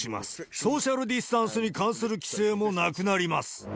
ソーシャルディスタンスに関する規制もなくなります。